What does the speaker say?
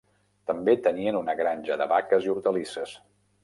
També tenien una granja de vaques i hortalisses.